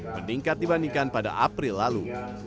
meningkat dibandingkan pada april lalu